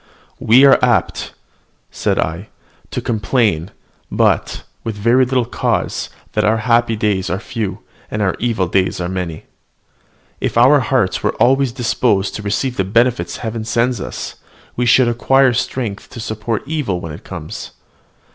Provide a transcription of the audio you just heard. "We are apt," said I, "to complain, but with very little cause, that our happy days are few, and our evil days many. If our hearts were always disposed to receive the benefits Heaven sends us, we should acquire strength to support evil when it comes."